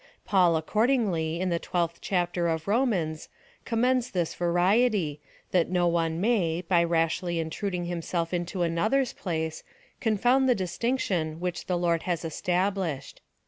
Paul, accordingly, in the 12th chapter of Romans, commends this variety, that no one may, by rashly intruding himself into another's place, confound the distinction which the Lord has established.